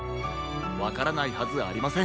わからないはずありません。